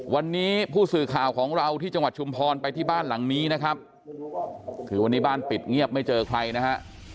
วันนี้ผู้สื่อข่าวของเราที่จังหวัดชุมพรไปที่บ้านหลังนี้นะครับคือวันนี้บ้านปิดเงียบไม่เจอใครนะฮะ